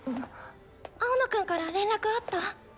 青野くんから連絡あった？